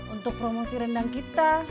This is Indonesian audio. untuk promosi rendang kita